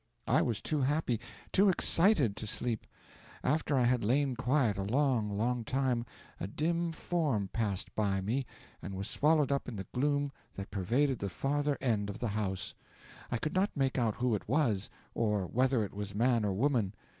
I was too happy, too excited, to sleep. After I had lain quiet a long, long time, a dim form passed by me and was swallowed up in the gloom that pervaded the farther end of the house. I could not make out who it was, or whether it was man or woman.